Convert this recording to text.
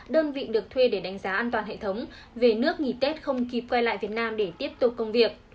đơn vị được thuê để đánh giá an toàn hệ thống về nước nghỉ tết không kịp quay lại việt nam để tiếp tục công việc